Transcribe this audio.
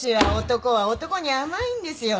男は男に甘いんですよ。